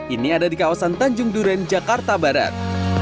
ini ada di kawasan tanjung duren jakarta barat